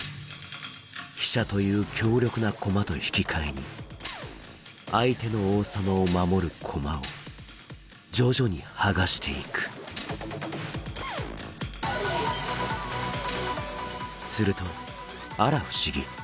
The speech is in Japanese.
飛車という強力な駒と引き換えに相手の王様を守る駒を徐々に剥がしていくするとあら不思議！